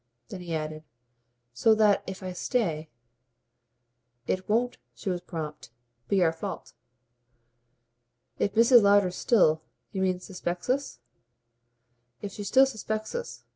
Then he added: "So that if I stay " "It won't" she was prompt "be our fault." "If Mrs. Lowder still, you mean, suspects us?" "If she still suspects us.